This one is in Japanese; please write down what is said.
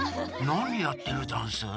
なにやってるざんす？